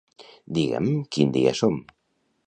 Digue'm quin dia som.